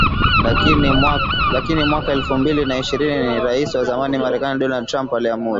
Lakini mwaka elfu mbili na ishirini Rais wa zamani Marekani Donald Trump aliamuru.